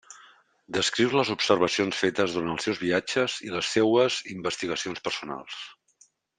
Descriu les observacions fetes durant els seus viatges i les seues investigacions personals.